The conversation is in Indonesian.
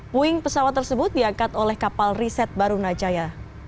puing pesawat tersebut diangkat oleh kapal riset barunajaya